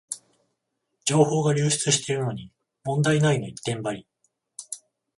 情報が流出してるのに問題ないの一点張り